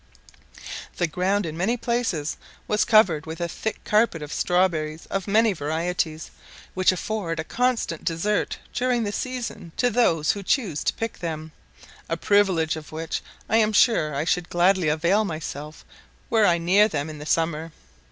] The ground in many places was covered with a thick carpet of strawberries of many varieties, which afford a constant dessert during the season to those who choose to pick them, a privilege of which I am sure I should gladly avail myself were I near them in the summer.